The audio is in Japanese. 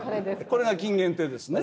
これが金原亭ですね。